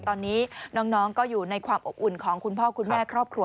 ตอนนี้น้องก็อยู่ในความอบอุ่นของคุณพ่อคุณแม่ครอบครัว